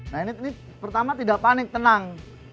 nah ini pertama tidak panik tenang